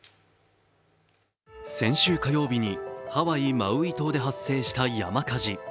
先週火曜日にハワイ・マウイ島で発生した山火事。